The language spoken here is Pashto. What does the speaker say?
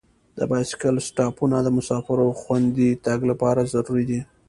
د بایسکل سټاپونه د مسافرو خوندي تګ لپاره ضروري دي.